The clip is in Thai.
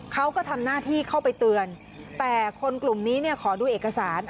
เขาก็ทำหน้าที่เข้าไปเตือนแต่คนกลุ่มนี้เนี่ยขอดูเอกสาร